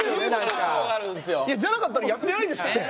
じゃなかったらやってないですって。